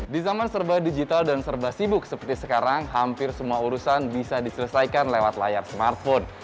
di zaman serba digital dan serba sibuk seperti sekarang hampir semua urusan bisa diselesaikan lewat layar smartphone